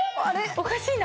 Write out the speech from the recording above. おかしいな。